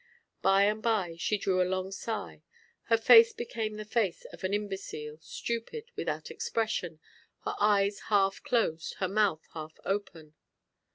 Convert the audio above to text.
By and by she drew a long sigh, her face became the face of an imbecile, stupid, without expression, her eyes half closed, her mouth half open.